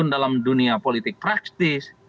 dalam dunia politik praktis